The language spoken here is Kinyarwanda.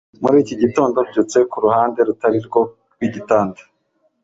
muri iki gitondo, mbyutse ku ruhande rutari rwo rw'igitanda